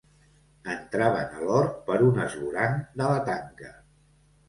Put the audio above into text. Entraven a l'hort per un esvoranc de la tanca.